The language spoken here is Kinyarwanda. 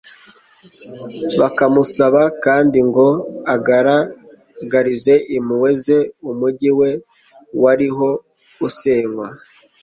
bakamusaba kandi ngo agaragarize impuhwe ze umugi we wariho usenywa